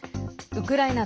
ウクライナ